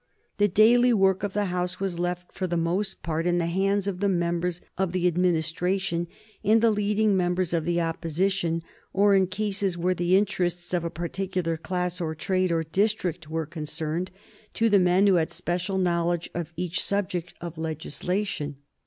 The daily work of the House was left, for the most part, in the hands of the members of the Administration and the leading members of the Opposition, or, in cases where the interests of a particular class, or trade, or district were concerned, to the men who had special knowledge of each subject of legislation.